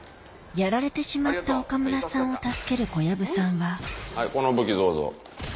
やられてしまった岡村さんを助ける小籔さんははいこの武器どうぞ。